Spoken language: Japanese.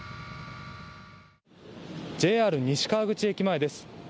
ＪＲ西川口駅前です。